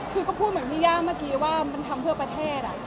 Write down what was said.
คือก็พูดเหมือนพี่ย่าเมื่อกี้ว่ามันทำเพื่อประเทศ